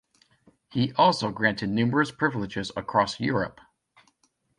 He also granted numerous privileges across Europe.